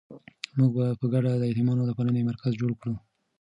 موږ به په ګډه د یتیمانو د پالنې مرکز جوړ کړو.